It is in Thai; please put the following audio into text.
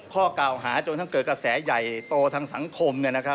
ข้อกล่าวหาจนทั้งเกิดกระแสใหญ่โตทางสังคม